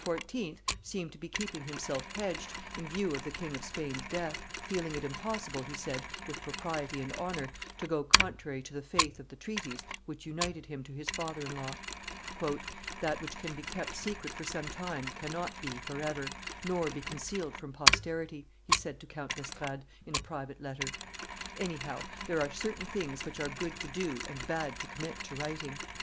seemed to be keeping himself hedged, in view of the King of Spain's death, feeling it impossible, he said, with propriety and honor, to go contrary to the faith of the treaties which united him to his father in law. "That which can be kept secret for some time cannot be forever, nor be concealed from posterity," he said to Count d'Estrades, in a private letter: "any how, there are certain things which are good to do and bad to commit to writing."